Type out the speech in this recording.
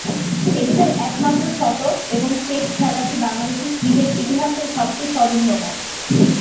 এটি তার একমাত্র শতক, এবং সেট খেলাটি বাংলাদেশের ক্রিকেট ইতিহাসের সবচেয়ে স্মরণীয় ম্যাচ।